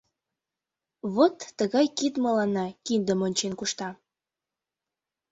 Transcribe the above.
— Вот тыгай кид мыланна киндым ончен-кушта.